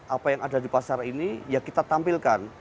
apa yang ada di pasar ini ya kita tampilkan